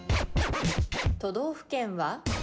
都道府県は？